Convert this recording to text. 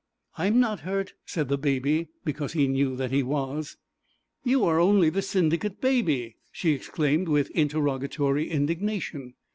'I'm not hurt,' said the Baby, because he knew that he was. 'You are only the Syndicate Baby!' she exclaimed with interrogatory indignation.